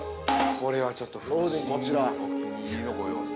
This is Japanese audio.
◆これはちょっと夫人お気に入りのご様子。